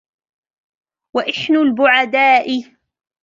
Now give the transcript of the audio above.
وَإِحَنُ الْبُعَدَاءِ